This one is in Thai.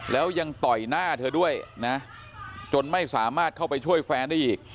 แล้วยังต่อยหน้าเธอด้วยนะจนไม่สามารถเข้าไปช่วยแฟนได้อีก